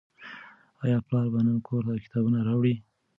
آیا پلار به نن کور ته کتابونه راوړي؟